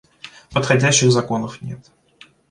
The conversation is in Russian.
Подходящих законов нет.